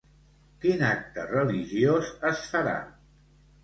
Quin acte religiós es farà?